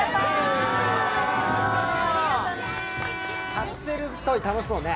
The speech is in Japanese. カプセルトイ、楽しそうね。